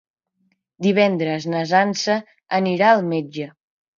Divendres na Sança anirà al metge.